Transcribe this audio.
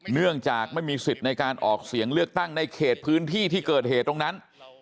เนื่องจากไม่มีสิทธิ์ในการออกเสียงเลือกตั้งในเขตพื้นที่ที่เกิดเหตุตรงนั้น